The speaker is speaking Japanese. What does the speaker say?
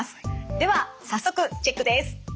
では早速チェックです。